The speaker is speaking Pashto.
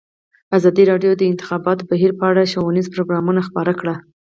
ازادي راډیو د د انتخاباتو بهیر په اړه ښوونیز پروګرامونه خپاره کړي.